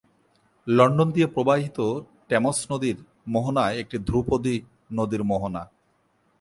London দিয়ে প্রবাহিত Thames নদীর মোহনা একটি ধ্রুপদী নদীর মোহনা।